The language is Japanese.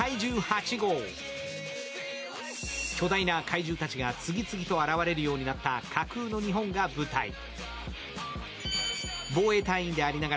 巨大な怪獣たちが次々と現れるようになった架空の日本が舞台。